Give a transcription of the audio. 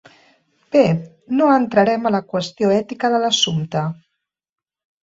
Bé, no entrarem a la qüestió ètica de l'assumpte.